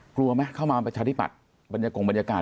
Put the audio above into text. กลัวไหมเข้ามาประชาธิบัติบรรยากงบรรยากาศ